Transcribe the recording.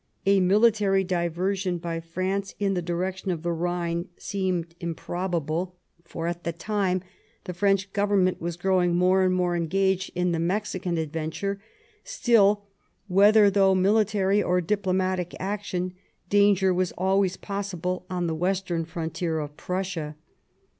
A military diversion by France in the direction of the Rhine seemed improbable, 76 The First Passage of Arms for, at that time, the French Government was growing more and more engaged in the Mexican adventure ; still, whether through military or diplo matic action, danger was always possible on the western frontier of Prussia.